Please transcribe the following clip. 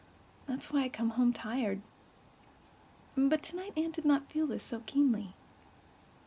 That is why I come home tired." But tonight Anne did not feel this so keenly.